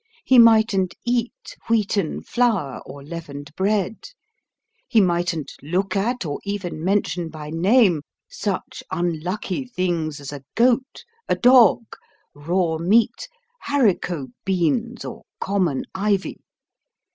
He mightn't eat wheaten flour or leavened bread; he mightn't look at or even mention by name such unlucky things as a goat, a dog, raw meat, haricot beans, or common ivy.